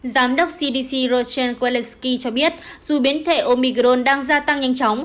giám đốc cdc rodney kowalski cho biết dù biến thể omicron đang gia tăng nhanh chóng